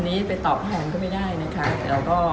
อันนี้ไปต่อแพลงก็ไม่ได้แน่นะคะ